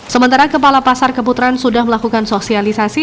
sementara kepala pasar keputaran sudah melakukan sosialisasi